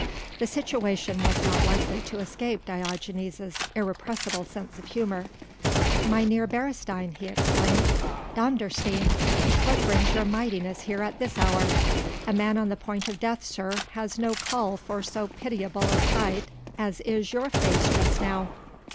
The situation was not likely to escape Diogenes' irrepressible sense of humour. "Mynheer Beresteyn," he exclaimed; "Dondersteen! what brings your Mightiness here at this hour? A man on the point of death, sir, has no call for so pitiable a sight as is your face just now."